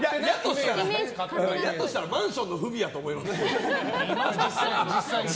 やとしたら、マンションの不備やと思いますよ。